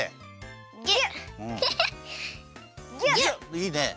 いいね。